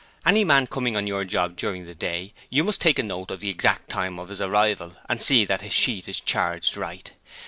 Any man coming on your job during the day, you must take note of the exact time of his arrival, and see that his sheet is charged right.